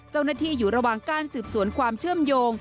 เจ้าหน้าที่อยู่ระหว่างการสืบสวนความเชื่อมโยง